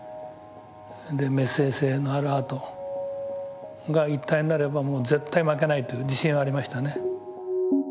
でメッセージ性のあるアートが一体になればもう絶対負けないという自信はありましたね。